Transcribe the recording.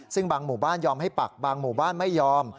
ซึ่งบางหมู่บ้านยอมให้ปักบางหมู่บ้านไม่ยอม